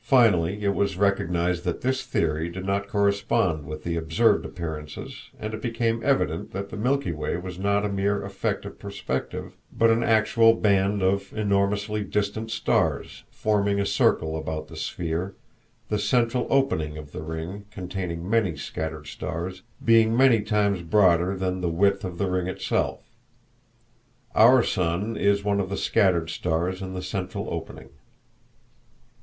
Finally it was recognized that this theory did not correspond with the observed appearances, and it became evident that the Milky Way was not a mere effect of perspective, but an actual band of enormously distant stars, forming a circle about the sphere, the central opening of the ring (containing many scattered stars) being many times broader than the width of the ring itself. Our sun is one of the scattered stars in the central opening.